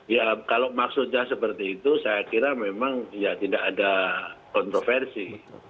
ya kalau maksudnya seperti itu saya kira memang ya tidak ada kontroversi